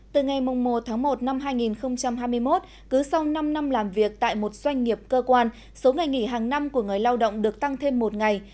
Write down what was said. từ ngày một tháng một năm hai nghìn hai mươi một cứ sau năm năm làm việc tại một doanh nghiệp cơ quan số ngày nghỉ hàng năm của người lao động được tăng thêm một ngày